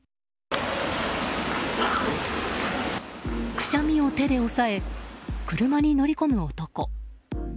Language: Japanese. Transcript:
くしゃみを手で押さえ車に乗り込む男。